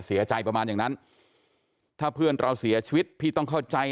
เสียใจประมาณอย่างนั้นถ้าเพื่อนเราเสียชีวิตพี่ต้องเข้าใจ